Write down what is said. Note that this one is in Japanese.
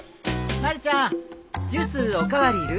まるちゃんジュースお代わりいる？